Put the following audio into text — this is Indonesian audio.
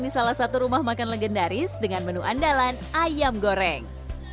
di salah satu rumah makan legendaris dengan menu andalan ayam goreng